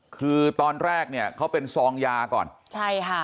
คือตอนแรกเนี่ยเขาเป็นซองยาก่อนใช่ค่ะ